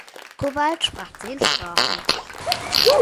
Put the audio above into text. Kowald sprach zehn Sprachen.